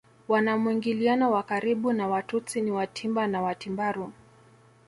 Wana mwingiliano wa karibu na Watutsi ni Watimba na Watimbaru